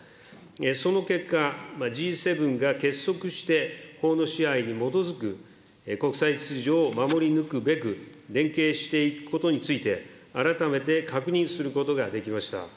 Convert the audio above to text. その結果、Ｇ７が結束して、法の支配に基づく国際秩序を守り抜くべく連携していくことについて、改めて確認することができました。